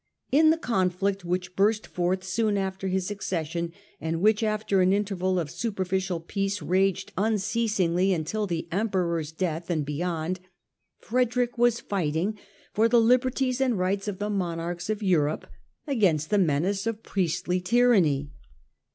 In the conflict which burst forth soon after his accession and which, after an interval of superficial peace, raged unceasingly until the Emperor's death, and beyond, Frederick was fighting for the liberties and rights of the monarchs of Europe against the menace of priestly tyranny.